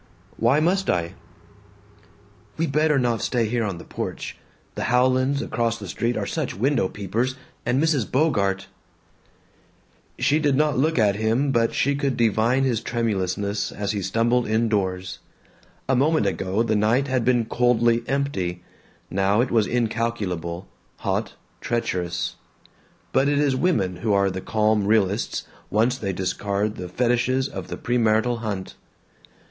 "Why must I?" "We better not stay here on the porch. The Howlands across the street are such window peepers, and Mrs. Bogart " She did not look at him but she could divine his tremulousness as he stumbled indoors. A moment ago the night had been coldly empty; now it was incalculable, hot, treacherous. But it is women who are the calm realists once they discard the fetishes of the premarital hunt.